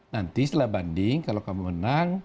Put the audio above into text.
nanti setelah banding kalau kamu menang